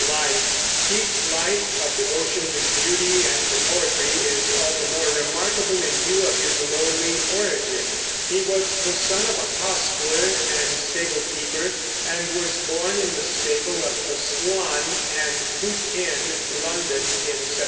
LIFE. Keats's life of devotion to beauty and to poetry is all the more remarkable in view of his lowly origin. He was the son of a hostler and stable keeper, and was born in the stable of the Swan and Hoop Inn, London, in 1795.